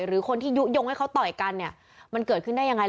หรือคนที่ยุโยงให้เขาต่อยกันเนี่ยมันเกิดขึ้นได้ยังไง